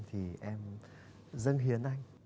thì em dâng hiến anh